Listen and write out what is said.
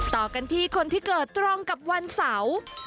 ต่อกันที่คนที่เกิดตรงกับวันเสาร์